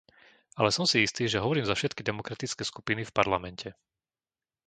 Ale som si istý, že hovorím za všetky demokratické skupiny v Parlamente.